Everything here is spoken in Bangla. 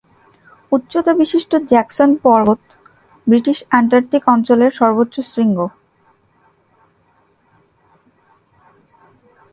উচ্চতা বিশিষ্ট জ্যাকসন পর্বত ব্রিটিশ অ্যান্টার্কটিক অঞ্চলের সর্বোচ্চ শৃঙ্গ।